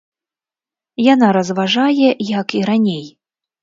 Яна разважае як і раней.